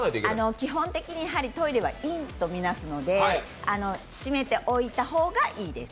基本的にトイレは陰と見なすので閉めておいた方がいいんです。